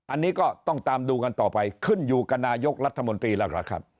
อันนี้ก็ต้องตามดูกันต่อไปขึ้นอยู่กับนายกรัฐมนตรีแล้วล่ะครับ